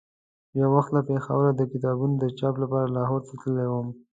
یو وخت له پېښوره د کتابونو د چاپ لپاره لاهور ته تللی وم.